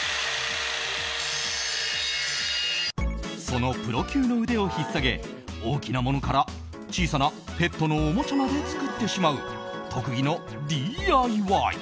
そのプロ級の腕をひっさげ大きなものから小さなペットのおもちゃまで作ってしまう特技のＤＩＹ。